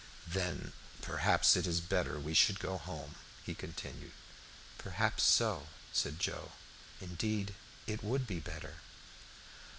"Then perhaps it is better we should go home," he continued. "Perhaps so," said Joe. "Indeed, it would be better."